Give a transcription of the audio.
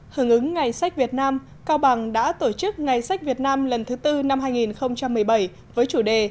hưởng ứng ngày sách việt nam cao bằng đã tổ chức ngày sách việt nam lần thứ tư năm hai nghìn một mươi bảy với chủ đề